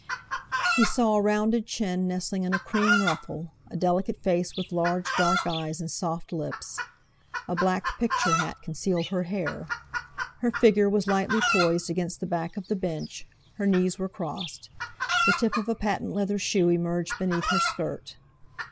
He saw a rounded chin nestling in a cream ruffle, a delicate face with large dark eyes and soft lips. A black "picture" hat concealed the hair; her figure was lightly poised against the back of the bench, her knees were crossed; the tip of a patent leather shoe emerged beneath her skirt.